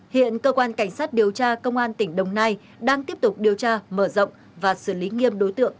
hiện cơ quan cảnh sát điều tra công an tỉnh đồng nai đang tiếp tục điều tra mở rộng và xử lý nghiêm đối tượng